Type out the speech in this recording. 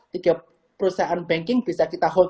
tiga perusahaan banking bisa kita hold